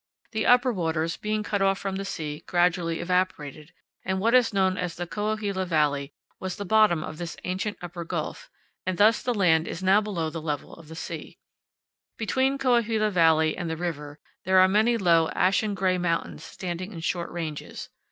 The upper waters, being cut off from the sea, gradually evaporated, and what is known as Coahuila Valley was the bottom of this ancient upper gulf, 20 CANYONS OF THE COLORADO. and thus the land is now below the level of the sea. Between Coahuila Valley and the river there are many low, ashen gray mountains standing in short ranges.